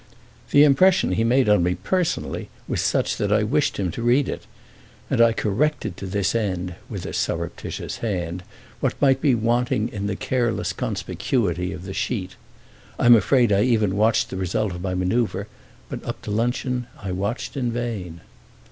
The impression he made on me personally was such that I wished him to read it, and I corrected to this end with a surreptitious hand what might be wanting in the careless conspicuity of the sheet. I'm afraid I even watched the result of my manœuvre, but up to luncheon I watched in vain.